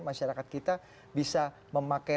masyarakat kita bisa memakai